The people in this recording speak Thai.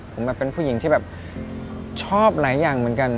ผมแบบเป็นผู้หญิงที่แบบชอบหลายอย่างเหมือนกัน